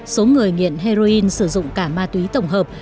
số người nghiện heroin sử dụng cả ma túy tổng hợp